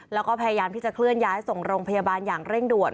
แล้วก็พยายามที่จะเคลื่อนย้ายส่งโรงพยาบาลอย่างเร่งด่วน